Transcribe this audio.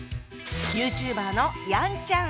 ＹｏｕＴｕｂｅｒのヤンちゃん！